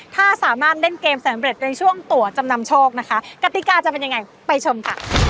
ถ้าสามารถเล่นเกมสำเร็จในช่วงตัวจำนำโชคนะคะกติกาจะเป็นยังไงไปชมค่ะ